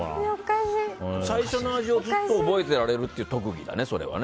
最初の味をずっと覚えていられるという特技だね、それはね。